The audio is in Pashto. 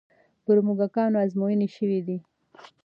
پر موږکانو ازموینې شوې دي.